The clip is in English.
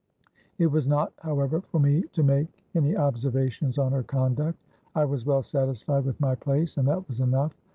It was not however for me to make any observations on her conduct: I was well satisfied with my place—and that was enough.